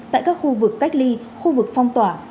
tại các khu vực cách ly khu vực phong tỏa